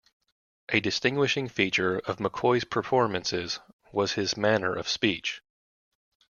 A distinguishing feature of McCoy's performances was his manner of speech.